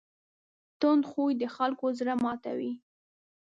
تند خوی د خلکو زړه ماتوي.